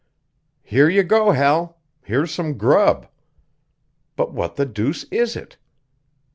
"Here you go, Hal! here's some grub. But what the deuce is it?